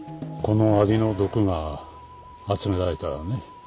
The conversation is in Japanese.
このアリの毒が集められたらね。